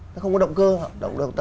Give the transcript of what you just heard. nó không có động cơ